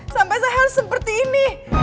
sampai saya harus seperti ini